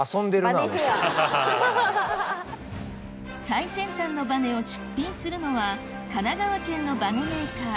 最先端のバネを出品するのは神奈川県のバネメーカー